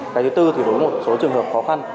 cái thứ tư thì đối với một số trường hợp khó khăn